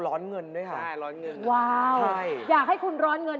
ราคาอยู่ที่